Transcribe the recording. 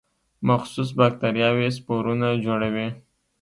مخصوص باکتریاوې سپورونه جوړوي.